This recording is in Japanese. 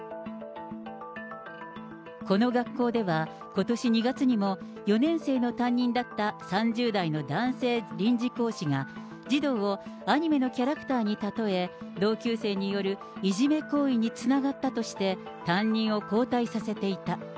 この学校ではことし２月にも、４年生の担任だった３０代の男性臨時講師が、児童をアニメのキャラクターに例え、同級生によるいじめ行為につながったとして、担任を交代させていた。